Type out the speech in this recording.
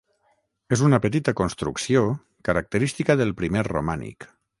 És una petita construcció característica del primer romànic.